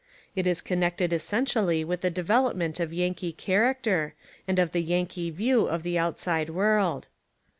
It is con nected essentially with the development of Yan kee character, and of the Yankee view of the outside world.